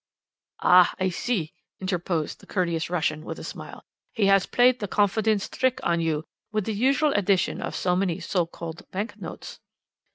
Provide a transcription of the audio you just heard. "'Ah, I see,' interposed the courteous Russian with a smile, 'he has played the confidence trick on you, with the usual addition of so many so called bank notes.'